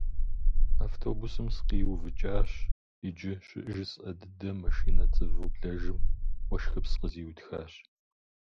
Автобусым сыкъиувыкӏащ иджы щыжысӏэ дыдэм машинэ цӏыву блэжым уэшхыпс къызиутхащ.